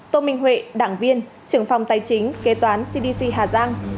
tô minh huệ đảng viên trưởng phòng tài chính kế toán cdc hà giang